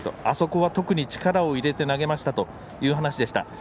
あそこは特に力を入れて投げましたという話でした。